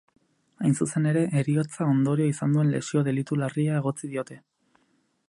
Hain zuzen ere, heriotza ondorio izan duen lesio delitu larria egotzi diote.